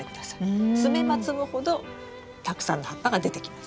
摘めば摘むほどたくさん葉っぱが出てきます。